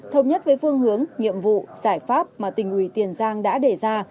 thống nhất với phương hướng nhiệm vụ giải pháp mà tỉnh ủy tiền giang đã đề ra